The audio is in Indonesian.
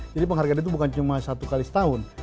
jadi penghargaan itu bukan cuma satu kali setahun